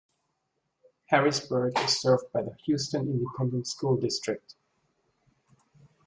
Harrisburg is served by the Houston Independent School District.